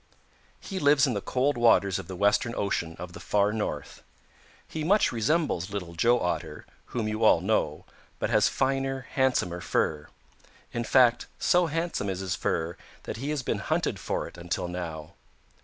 "He lives in the cold waters of the western ocean of the Far North. He much resembles Little Joe Otter, whom you all know, but has finer, handsomer fur. In fact, so handsome is his fur that he has been hunted for it until now.